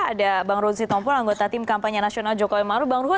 ada bang ruhud sittompul anggota tim kampanye nasional jokowi maruf